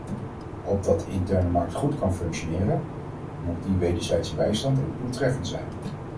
Opdat de interne markt goed kan functioneren, moet die wederzijdse bijstand ook doeltreffend zijn.